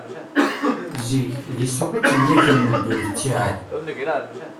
Zik, deg ssuq i ttemyakken yimdanen ttiɛad.